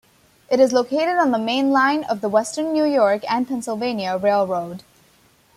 It is located on the mainline of the Western New York and Pennsylvania Railroad.